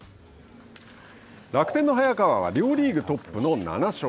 楽天の早川は両リーグトップの７勝。